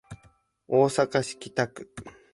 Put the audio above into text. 大阪市北区